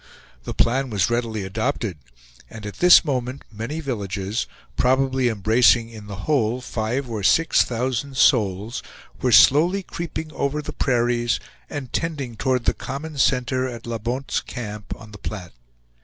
The plan was readily adopted and at this moment many villages, probably embracing in the whole five or six thousand souls, were slowly creeping over the prairies and tending towards the common center at La Bonte's Camp, on the Platte.